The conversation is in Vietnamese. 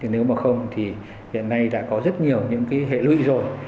nếu mà không thì hiện nay đã có rất nhiều những cái hệ lụy rồi